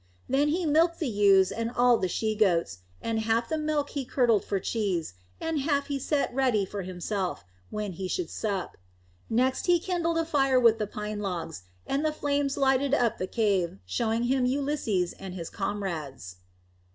Then he milked the ewes and all the she goats, and half of the milk he curdled for cheese, and half he set ready for himself, when he should sup. Next he kindled a fire with the pine logs, and the flame lighted up all the cave, showing him Ulysses and his comrades.